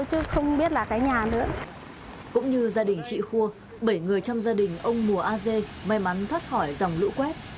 cũng như gia đình chị khua bảy người trong gia đình ông mùa a dê may mắn thoát khỏi dòng lũ quét